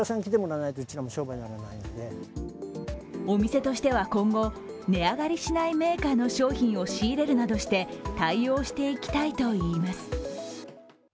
お店としては今後、値上がりしないメーカーの商品を仕入れるなどして対応していきたいといいます。